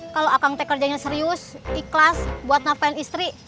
kalau akang teh kerjanya serius ikhlas buat nafkan istri